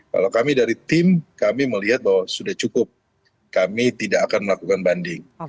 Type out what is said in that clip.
kalau kami dari tim kami melihat bahwa sudah cukup kami tidak akan melakukan banding